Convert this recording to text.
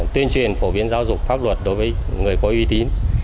tuyên truyền phổ biến giáo dục pháp luật đối với người có uy tín